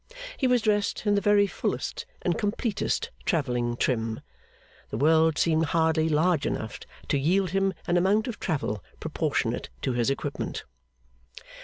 He was dressed in the very fullest and completest travelling trim. The world seemed hardly large enough to yield him an amount of travel proportionate to his equipment.